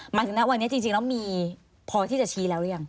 หมายถึงนะวันนี้จริงแล้วมีพอที่จะชี้แล้วหรือยัง